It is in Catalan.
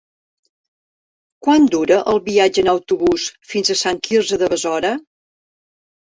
Quant dura el viatge en autobús fins a Sant Quirze de Besora?